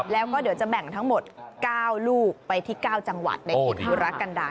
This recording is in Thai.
แล้วก็เดี๋ยวจะแบ่งทั้งหมด๙ลูกไปที่๙จังหวัดใน๗ธุรกันดา